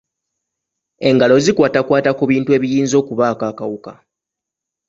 Engalo zikwatakwata ku bintu ebiyinza okubaako akawuka.